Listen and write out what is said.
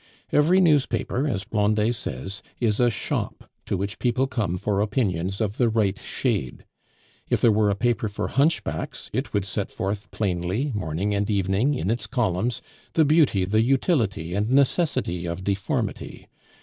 Every newspaper, as Blondet says, is a shop to which people come for opinions of the right shade. If there were a paper for hunchbacks, it would set forth plainly, morning and evening, in its columns, the beauty, the utility, and necessity of deformity.